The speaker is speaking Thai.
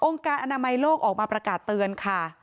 การอนามัยโลกออกมาประกาศเตือนค่ะ